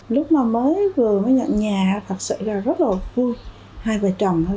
lúc mà mới vừa mới nhận nhà thật sự là rất là vui hai vợ chồng thôi